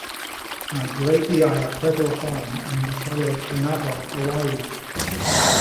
Mae gwreiddiau'r chwedl hon ym mytholeg hynafol Hawaii